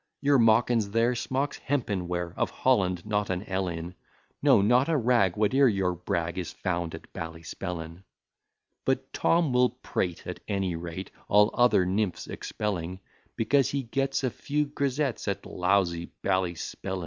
Your mawkins there smocks hempen wear; Of Holland not an ell in, No, not a rag, whate'er your brag, Is found at Ballyspellin. But Tom will prate at any rate, All other nymphs expelling: Because he gets a few grisettes At lousy Ballyspellin.